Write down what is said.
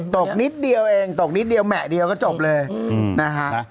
ตกนิดเดียวเองตกนิดเดียวแหมะเดียวก็จบเลยนะฮะ